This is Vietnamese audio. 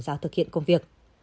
giáo thực hiện công việc